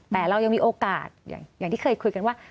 แต่เรายังมีโอกาสอย่างที่เคยคุยกันว่า